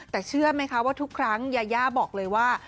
แต่เชื่อไหมคะว่าทุกครั้งยายาบอกเลยว่า